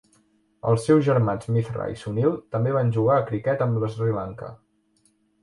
Els seus germans Mithra i Sunil també van jugar a criquet amb l'Sri Lanka.